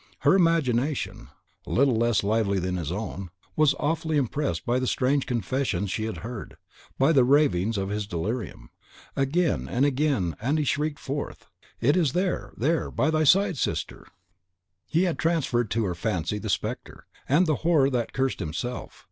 Her imagination, little less lively than his own, was awfully impressed by the strange confessions she had heard, by the ravings of his delirium. Again and again had he shrieked forth, "It is there, there, by thy side, my sister!" He had transferred to her fancy the spectre, and the horror that cursed himself.